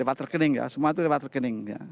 lewat rekening ya semua itu lewat rekening ya